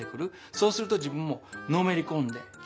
そうすると自分ものめりこんで聞ける。